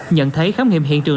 nhận thấy khám nghiệm hiện trường